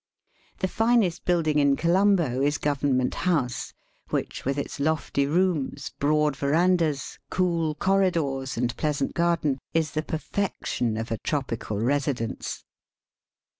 The finest building in Colombo is Government House, which, with its lofty rooms, broad verandahs, cool cor ridors, and pleasant garden, is the perfection of a tropical residence.